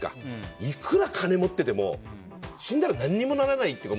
いくら金を持っていても死んだら何にもならない。